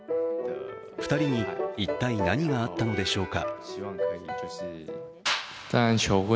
２人に一体何があったのでしょうか。